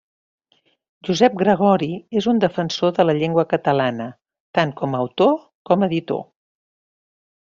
Josep Gregori és un defensor de la llengua catalana, tant com autor com editor.